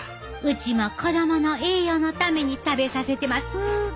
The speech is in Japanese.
うちも子供の栄養のために食べさせてます。